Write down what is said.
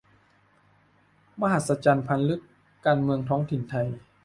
มหัศจรรย์พันลึก การเมืองท้องถิ่นไทย